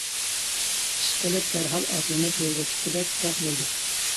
ئىش قىلىپ دەرھال ئاتلىنىپ يولغا چىققۇدەك تەق بولدۇق.